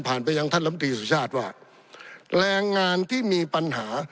ไปยังท่านลำตีสุชาติว่าแรงงานที่มีปัญหา